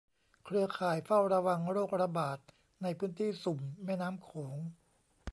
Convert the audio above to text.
เครือข่ายเฝ้าระวังโรคระบาดในพื้นที่สุ่มแม่น้ำโขง